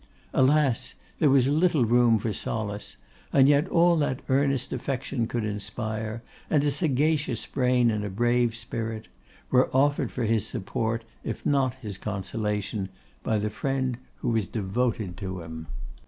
Alas! there was little room for solace, and yet all that earnest affection could inspire, and a sagacious brain and a brave spirit, were offered for his support, if not his consolation, by the friend who was devoted to him.